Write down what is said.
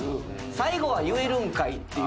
最後は言えるんかいっていう。